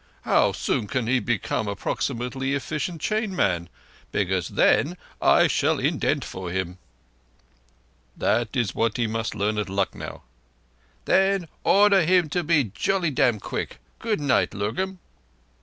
How soon can he become approximately effeecient chain man? Because then I shall indent for him." "That is what he must learn at Lucknow." "Then order him to be jolly dam' quick. Good night, Lurgan."